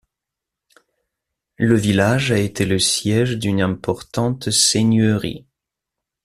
Le village a été le siège d'une importante seigneurie.